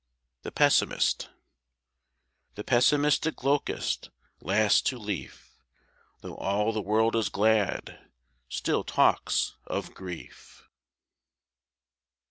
=The Pessimist= The pessimistic locust, last to leaf, Though all the world is glad, still talks of grief.